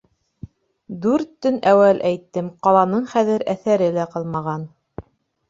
— Дүрт төн әүәл әйттем: ҡаланың хәҙер әҫәре лә ҡалмаған.